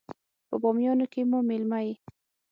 په بامیانو کې مو مېلمه يې.